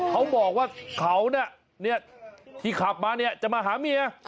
เขาบอกว่าเขาเนี้ยเนี้ยที่ขับมาเนี้ยจะมาหาเมียเออ